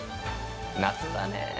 夏だね！